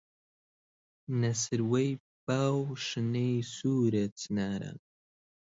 نە سروەی با و شنەی سوورە چناران